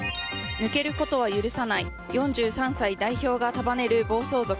抜けることは許さない４３歳代表が束ねる暴走族。